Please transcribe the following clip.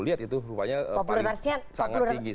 lihat itu rupanya sangat tinggi